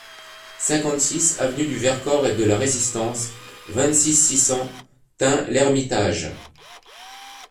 cinquante-six avenue du Vercors et de la Résistance, vingt-six, six cents, Tain-l'Hermitage